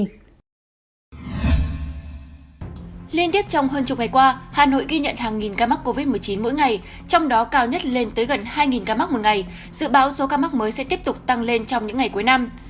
liên tiếp trong hơn chục ngày qua hà nội ghi nhận hàng nghìn ca mắc covid một mươi chín mỗi ngày trong đó cao nhất lên tới gần hai ca mắc một ngày dự báo số ca mắc mới sẽ tiếp tục tăng lên trong những ngày cuối năm